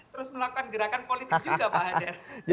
terus melakukan gerakan politik juga pak hadar